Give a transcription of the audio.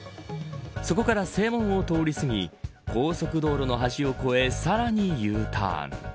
そこから正門を通り過ぎ高速道路の端を超えさらにＵターン。